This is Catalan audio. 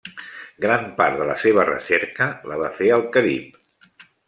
Gran part de la seva recerca la va fer al Carib.